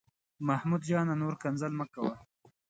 محمود جانه، نور کنځل مه کوه.